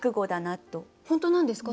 本当なんですか？